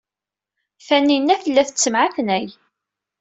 Taninna tella tettemɛetnay.